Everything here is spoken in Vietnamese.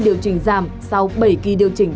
điều chỉnh giảm sau bảy kỳ điều chỉnh